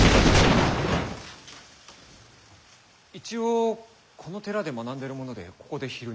一応この寺で学んでる者でここで昼寝を。